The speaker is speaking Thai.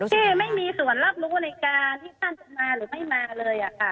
ที่ไม่มีส่วนรับรู้ในการที่ท่านจะมาหรือไม่มาเลยค่ะ